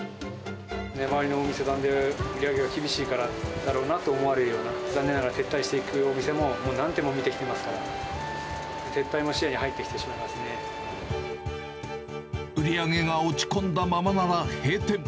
周りのお店で売り上げが厳しいからだろうなと思われるような、残念ながら撤退していくお店も、もう何店も見てきてますから、撤退も視野に入ってきてしまいま売り上げが落ち込んだままなら閉店。